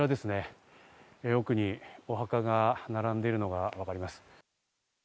奥にお墓が並んでいるのがわかります。